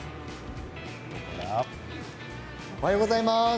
おはようございます。